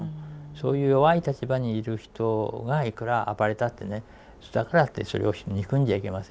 そういう弱い立場にいる人がいくら暴れたってねだからってそれを憎んじゃいけませんよね。